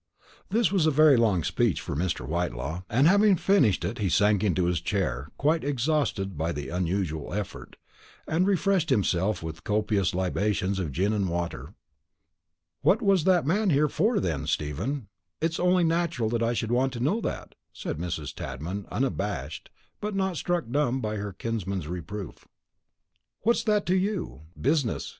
This was a very long speech for Mr. Whitelaw; and, having finished it, he sank into his chair, quite exhausted by the unusual effort, and refreshed himself with copious libations of gin and water. "What was that man here for, then, Stephen? It's only natural I should want to know that," said Mrs. Tadman, abashed, but not struck dumb by her kinsman's reproof. "What's that to you? Business.